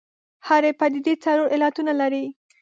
هرې پدیدې څلور علتونه لري.